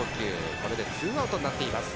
これでツーアウトになっています